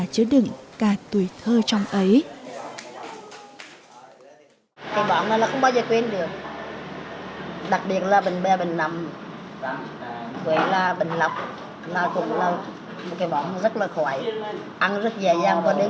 để đứng cả tuổi thơ trong ấy